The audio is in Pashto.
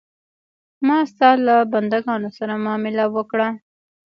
ما ستا له بندګانو سره معامله وکړه.